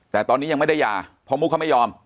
แต่ตอนนี้ยังไม่ได้หย่าเพราะมุกเขาไม่ยอม